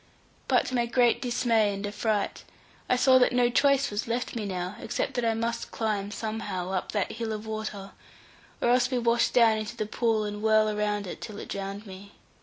But to my great dismay and affright, I saw that no choice was left me now, except that I must climb somehow up that hill of water, or else be washed down into the pool and whirl around it till it drowned me.